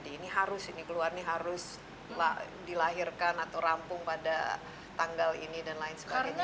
ini harus ini keluar ini harus dilahirkan atau rampung pada tanggal ini dan lain sebagainya